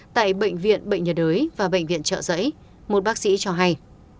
tại bệnh viện bệnh nhiệt đới và bệnh viện trợ giấy một bác sĩ cho hay